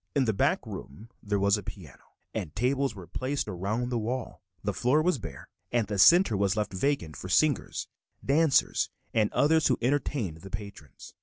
In the back room there was a piano, and tables were placed around the wall. The floor was bare and the center was left vacant for singers, dancers, and others who entertained the patrons.